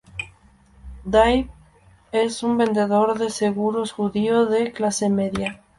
Dave es un vendedor de seguros judío de clase media.